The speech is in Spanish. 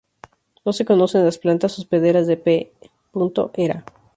No se conocen las plantas hospederas de "P. era".